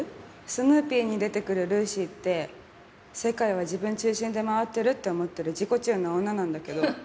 スヌーピーに出てくるルーシーって世界は自分中心で回ってるって思ってる自己中な女なんだけど。